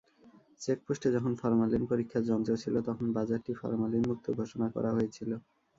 চেকপোস্টে যখন ফরমালিন পরীক্ষার যন্ত্র ছিল, তখন বাজারটি ফরমালিনমুক্ত ঘোষণা করা হয়েছিল।